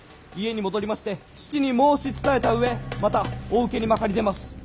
家に戻りまして父に申し伝えた上またお受けにまかり出ます。